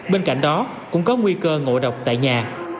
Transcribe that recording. bên cạnh đó cũng có nguy cơ ngộ độc tại nhà